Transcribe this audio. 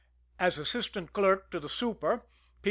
As assistant clerk to the super, P.